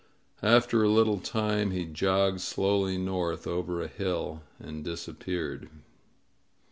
After a little time he jogged slowly north over a hill and disappeared.